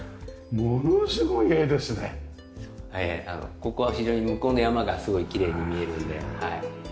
ここは非常に向こうの山がすごいきれいに見えるので。